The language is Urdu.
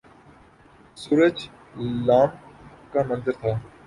سورج ل کا منظر تھا